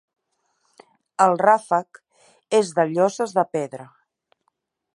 El ràfec és de lloses de pedra.